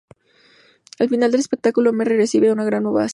Al final del espectáculo, Merrick recibe una gran ovación.